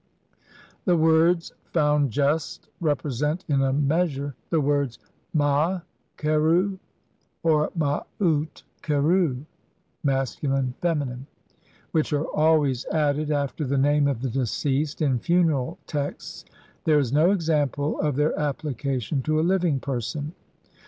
The words "found just" represent in a measure the words mad khcru (masc.) or madt khcru (fem.) which are always added after the name of the deceased in funeral texts ; there is no example of their application to a living person.